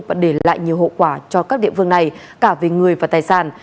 và để lại nhiều hậu quả cho các địa phương này cả về người và tài sản